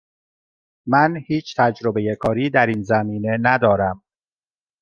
من هیچ تجربه کاری در این زمینه ندارم.